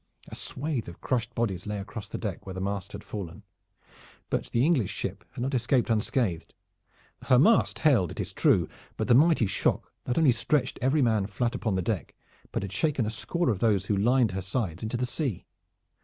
A swath of crushed bodies lay across the deck where the mast had fallen. But the English ship had not escaped unscathed. Her mast held, it is true, but the mighty shock not only stretched every man flat upon the deck, but had shaken a score of those who lined her sides into the sea.